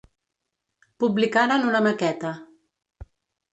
Publicaren una maqueta.